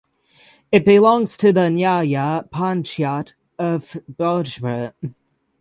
It belongs to the nyaya panchayat of Bhojpur.